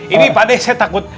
ini pak deh saya takut